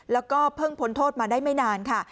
แล้วก็เพิ่งพ้นโทษมาได้ไม่นานค่ะ